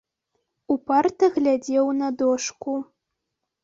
Упарта глядзеў на дошку.